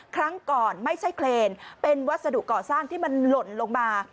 ครั้งก่อนไม่ใช่เครนเป็นวัสดุก่อสร้างที่มันหล่นลงมา